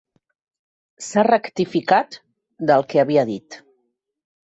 S'ha rectificat del que havia dit.